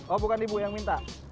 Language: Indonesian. oh bukan ibu yang minta